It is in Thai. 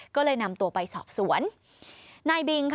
ก็เลยนำตัวไปสอบสวน